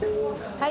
はい。